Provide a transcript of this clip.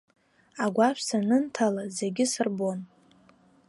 Агәашә санынҭала, зегьы сырбон.